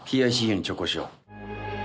「ＰＩＣＵに直行しよう」